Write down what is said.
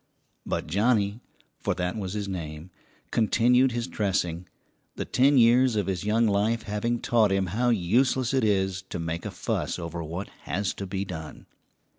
] But Johnnie, for that was his name, continued his dressing, the ten years of his young life having taught him how useless it is to make a fuss over what has to be done.